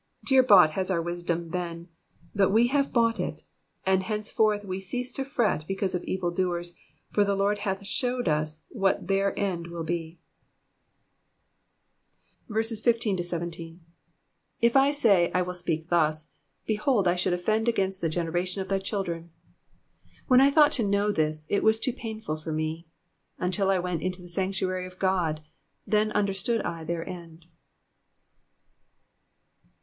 Dear bought has our wisdom been, but we have bought it ; and, henceforth, we cease to fret because of evil doers, for the Lord hath showed us what their end will be. 15 If I say, I will speak thus ; behold, I should offend against the generation of thy children. Digitized by VjOOQIC PSALM THE SEVEXTY THIHD. 343 i6 When I thought to know this, it was too painful for me ; 17 Until I went into the sanctuary of God ; then understood I their end.